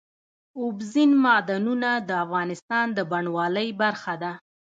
اوبزین معدنونه د افغانستان د بڼوالۍ برخه ده.